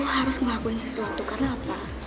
harus ngelakuin sesuatu karena apa